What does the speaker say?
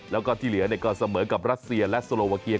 แล้วก็ที่เหลือก็เสมอกับรัสเซียและโซโลวาเกีย